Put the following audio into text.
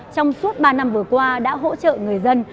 trong suốt ba năm vừa qua đã hỗ trợ người dân